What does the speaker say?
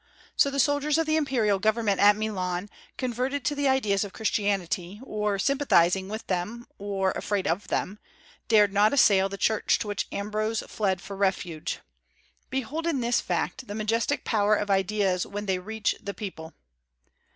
So the soldiers of the imperial government at Milan, converted to the ideas of Christianity, or sympathizing with them, or afraid of them, dared not assail the church to which Ambrose fled for refuge. Behold in this fact the majestic power of ideas when they reach the people.